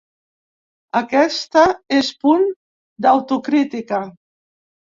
Aquesta és punt d’autocrítica.